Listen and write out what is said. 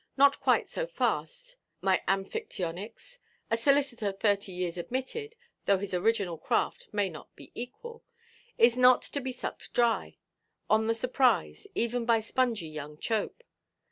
Not quite so fast, my Amphictyonics; a solicitor thirty years admitted (though his original craft may not be equal) is not to be sucked dry, on the surprise, even by spongy young Chope.